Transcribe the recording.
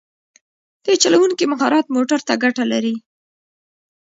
د چلوونکي مهارت موټر ته ګټه لري.